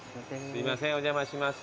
すいませんお邪魔します。